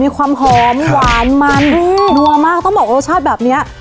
มีความหอมมีวานมันแน่นวมากต้องบอกรสชาติแบบนี้